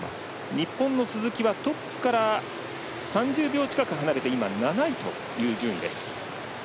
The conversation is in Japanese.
日本の鈴木はトップから３０秒近く離れて７位という順位です。